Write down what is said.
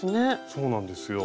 そうなんですよ。